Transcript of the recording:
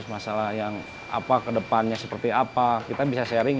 masalah yang apa kedepannya seperti apa kita bisa sharing